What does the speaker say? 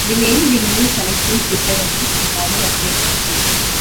They named their new selection Tipperary in honour of their birthplace.